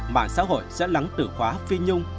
mạng xã hội sẽ lắng tử khóa phi nhung